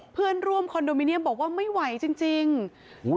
เพื่อนร่วมคอนโดมิเนียมบอกว่าไม่ไหวจริงจริงอุ้ย